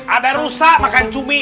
ada rusa makan cumi